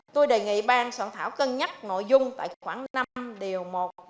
tôi đề nghị bang soạn thảo cân nhắc nội dung tại khoảng năm điều một sáu hai